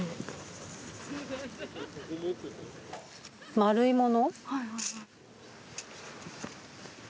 丸いもの。